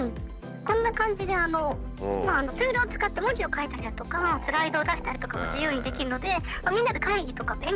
こんな感じでツールを使って文字を書いたりだとかスライドを出したりとかも自由にできるのでみんなでへえ！